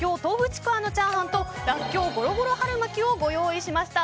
ちくわのチャーハンとらっきょうゴロゴロ春巻きをご用意しました。